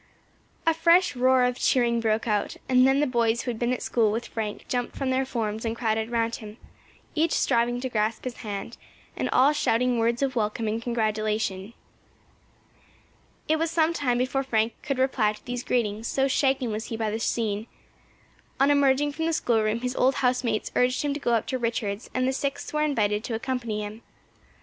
A fresh roar of cheering broke out, and then the boys who had been at school with Frank jumped from their forms and crowded round him, each striving to grasp his hand, and all shouting words of welcome and congratulation. It was some time before Frank could reply to these greetings, so shaken was he by the scene. On emerging from the schoolroom his old house mates urged him to go up to Richards', and the Sixth were invited to accompany him.